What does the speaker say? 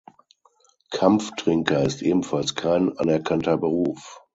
Kampftrinker ist ebenfalls kein anerkannter Beruf.